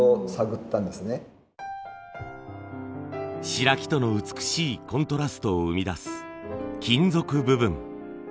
白木との美しいコントラストを生み出す金属部分。